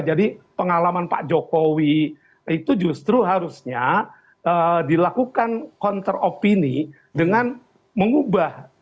jadi pengalaman pak jokowi itu justru harusnya dilakukan counter opinion dengan mengubah